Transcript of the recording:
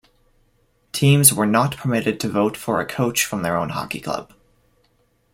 Teams were not permitted to vote for a coach from their own hockey club.